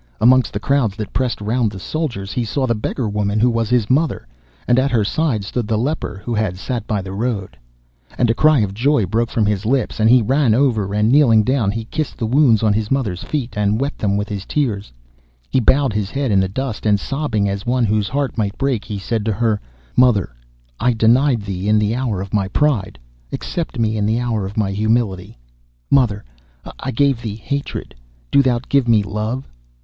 amongst the crowd that pressed round the soldiers, he saw the beggar woman who was his mother, and at her side stood the leper, who had sat by the road. And a cry of joy broke from his lips, and he ran over, and kneeling down he kissed the wounds on his mother's feet, and wet them with his tears. He bowed his head in the dust, and sobbing, as one whose heart might break, he said to her: 'Mother, I denied thee in the hour of my pride. Accept me in the hour of my humility. Mother, I gave thee hatred. Do thou give me love.